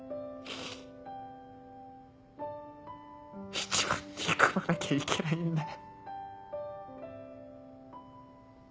一番憎まなきゃいけないんだよ。